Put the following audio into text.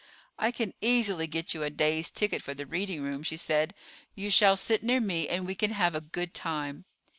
"I can easily get you a day's ticket for the reading room," she said. "You shall sit near me, and we can have a good time."